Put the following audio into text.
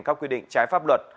các quy định trái pháp luật